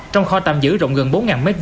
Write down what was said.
trong kho tạm giữ rộng gần bốn m hai